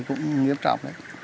cũng nghiêm trọng đấy